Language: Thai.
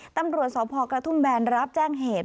ตำรวจสพกระทุ่มแบนรับแจ้งเหตุ